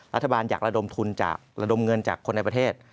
รัฐบาลอยากระดมเงินจากคนในประเทศ